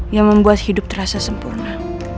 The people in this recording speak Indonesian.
yang membuat hidup terasa sempurna